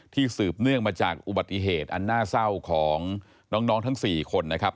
สืบเนื่องมาจากอุบัติเหตุอันน่าเศร้าของน้องทั้ง๔คนนะครับ